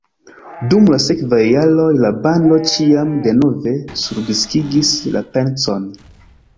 Dum la sekvaj jaroj la bando ĉiam denove surdiskigis la pecon.